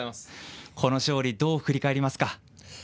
この勝利、どう振り返りますか？